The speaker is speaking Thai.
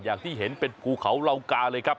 อย่างที่เห็นเป็นภูเขาเหล่ากาเลยครับ